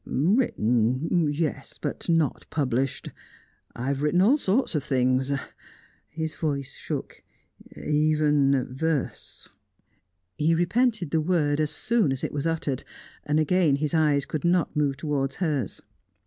"Written yes, but not published. I have written all sorts of things." His voice shook. "Even verse." He repented the word as soon as it was uttered. Again his eyes could not move towards hers.